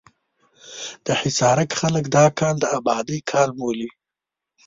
د حصارک خلک دا کال د ابادۍ کال بولي.